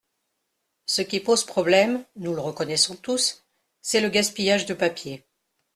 Ce qui pose problème, nous le reconnaissons tous, c’est le gaspillage de papier.